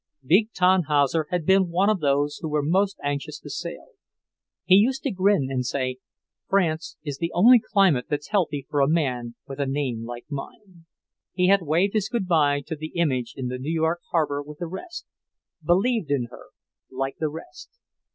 Big Tannhauser had been one of those who were most anxious to sail. He used to grin and say, "France is the only climate that's healthy for a man with a name like mine." He had waved his good bye to the image in the New York harbour with the rest, believed in her like the rest.